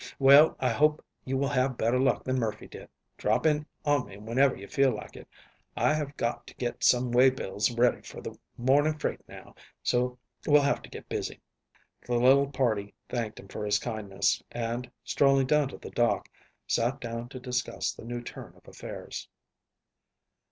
Well, I hope you will have better luck than Murphy did. Drop in on me whenever you feel like it. I have got to get some waybills ready for the morning freight, now, so will have to get busy." The little party thanked him for his kindness and, strolling down to the dock, sat down to discuss the new turn of affairs.